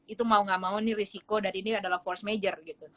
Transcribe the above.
itu mau gak mau ini risiko dan ini adalah force major gitu